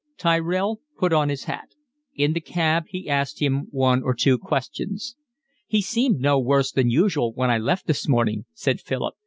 Tyrell put on his hat. In the cab he asked him one or two questions. "He seemed no worse than usual when I left this morning," said Philip.